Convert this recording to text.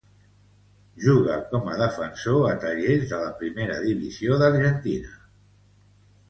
Juga com a defensor a Talleres de la Primera Divisió d'Argentina.